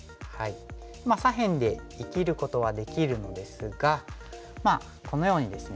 まあ左辺で生きることはできるのですがこのようにですね